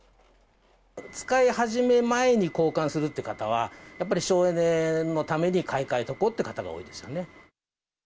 使い始め前に交換するって方は、やっぱり省エネのために買い替えとこうって方が多いですよね。